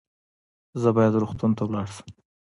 زه باید روغتون ته ولاړ سم